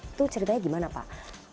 itu ceritanya gimana pak